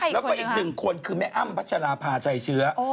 แล้วก็อีกหนึ่งคนคือแม่อ้ำพัชราภาชัยเชื้อ